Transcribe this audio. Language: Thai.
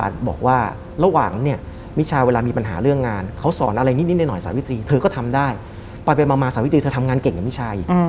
ทำงานเก่งกับมิชาอีก